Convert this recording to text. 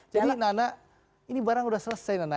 jadi nana ini barang sudah selesai nana